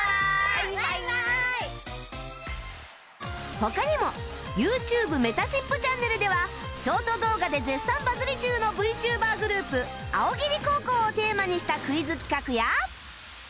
他にも ＹｏｕＴｕｂｅ めたしっぷチャンネルではショート動画で絶賛バズり中の ＶＴｕｂｅｒ グループあおぎり高校をテーマにしたクイズ企画や